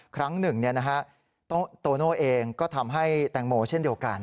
ครั้งหนึ่งโตโน่เองก็ทำให้แตงโมเช่นเดียวกัน